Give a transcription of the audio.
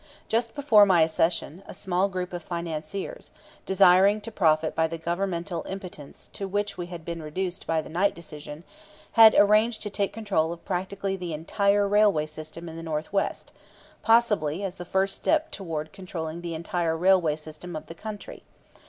Just before my accession, a small group of financiers, desiring to profit by the governmental impotence to which we had been reduced by the Knight decision, had arranged to take control of practically the entire railway system in the Northwest possibly as the first step toward controlling the entire railway system of the country.